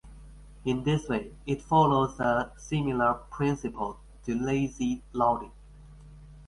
In this way, it follows a similar principle to lazy loading.